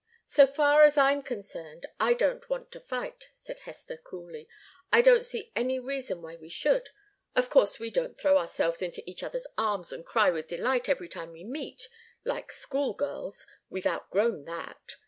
"So far as I'm concerned, I don't want to fight," said Hester, coolly. "I don't see any reason why we should. Of course we don't throw ourselves into each other's arms and cry with delight every time we meet, like schoolgirls. We've outgrown that.